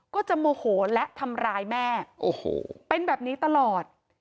ก็จะโมโหและทำร้ายแม่โอ้โหเป็นแบบนี้ตลอด